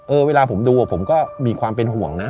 เวลาผมดูผมก็มีความเป็นห่วงนะ